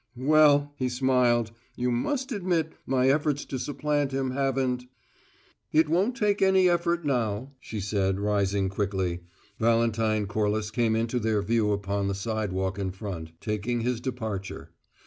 "Well," he smiled, "you must admit my efforts to supplant him haven't " "It won't take any effort now," she said, rising quickly. Valentine Corliss came into their view upon the sidewalk in front, taking his departure.